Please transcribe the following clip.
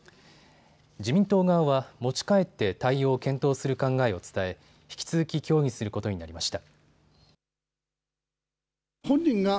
自民党側は持ち帰って対応を検討する考えを伝え引き続き協議することになりました。